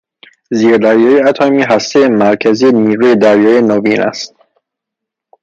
زیردریایی اتمی، هستهی مرکزی نیروی دریایی نوین است